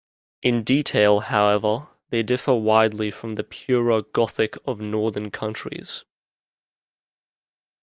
In detail, however, they differ widely from the purer Gothic of northern countries.